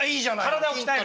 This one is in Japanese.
体を鍛える。